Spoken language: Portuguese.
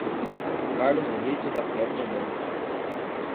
Carlos Rito da Costa Monte